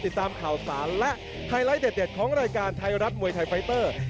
ติดตามข่าวสารและไฮไลท์เด็ดของรายการไทยรัฐมวยไทยไฟเตอร์